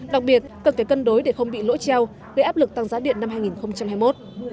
đặc biệt cần phải cân đối để không bị lỗi treo gây áp lực tăng giá điện năm hai nghìn hai mươi một